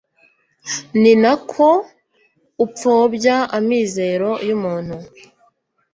ni na ko upfobya amizero y'umuntu